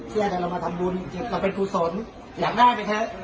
เชี่ยใจเรามาทำบุญเราเป็นภูสนอย่างแรกแค่